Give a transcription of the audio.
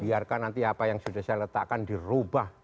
biarkan nanti apa yang sudah saya letakkan dirubah